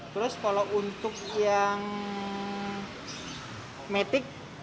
terus kalau untuk yang metik